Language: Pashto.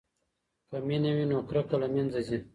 که مینه وي نو کرکه له منځه ځي.